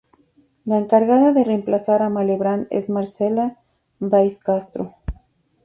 La encargada de reemplazar a Malebrán es Marcela "Thais" Castro.